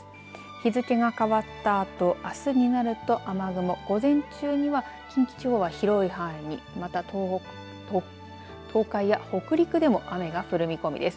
日付が変わったあとあすになると雨雲、午前中には近畿地方は広い範囲にまた東北東海や北陸でも雨が降る見込みです。